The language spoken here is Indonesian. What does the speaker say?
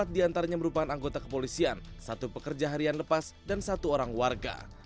empat diantaranya merupakan anggota kepolisian satu pekerja harian lepas dan satu orang warga